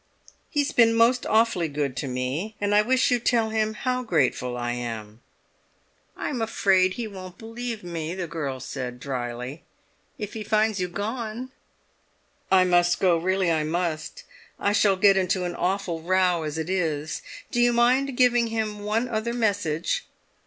"He's been most awfully good to me, and I wish you'd tell him how grateful I am." "I'm afraid he won't believe me," the girl said dryly, "if he finds you gone." "I must go—really I must. I shall get into an awful row as it is. Do you mind giving him one other message?"